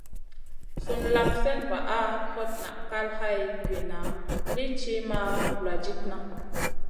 Sùn lak slèna vaʼa, hot naʼ kal hay giwinna lì ti ma vuladidna.